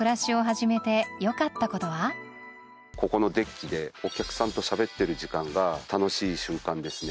ここのデッキでお客さんとしゃべってる時間が楽しい瞬間ですね。